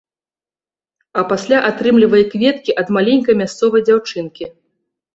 А пасля атрымлівае кветкі ад маленькай мясцовай дзяўчынкі.